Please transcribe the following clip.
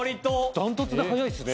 ダントツで早いっすね。